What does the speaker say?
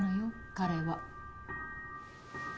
彼は。